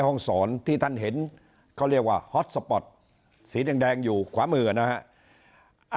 ห้องสอนที่ท่านเห็นเขาเรียกว่าฮอตสปอร์ตสีแดงอยู่ขวามือนะฮะ